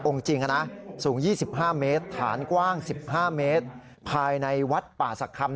องค์จริงสูง๒๕เมตรฐานกว้าง๑๕เมตรภายในวัดป่าสักคำ